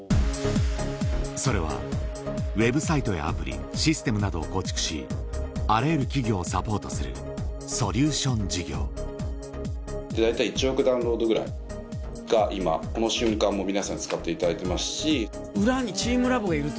それはウェブサイトやアプリシステムなどを構築しあらゆる企業をサポートするが今この瞬間も皆さん使っていただいてますし。